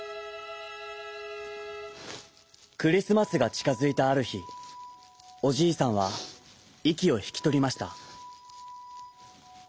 クリスマスがちかづいたあるひおじいさんはいきをひきとりました。